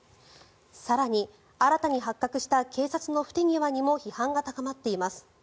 更に、新たに発覚した警察の不手際にも批判が高まっています。